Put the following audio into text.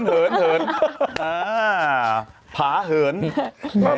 เหนินเผาเหินทั้งผม